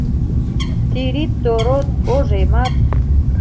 Тирит-торот... ожемат